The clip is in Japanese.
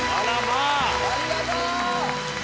ありがとう！